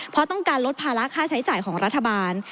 เพราะต้องการลดภาระค่าใช้จ่ายของรัฐบาล